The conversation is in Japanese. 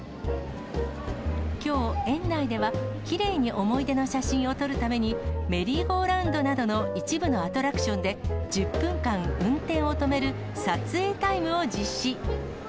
きょう、園内ではきれいに思い出の写真を撮るために、メリーゴーラウンドなどの一部のアトラクションで、１０分間運転を止める、撮影タイムを実施。